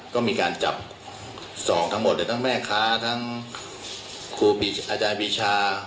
ก็มีการจับสองทั้งหมดทั้งแม่ค้าทั้งครูอาจารย์ปีชา